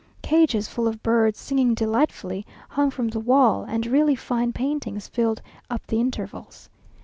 Cages full of birds, singing delightfully, hung from the wall, and really fine paintings filled up the intervals.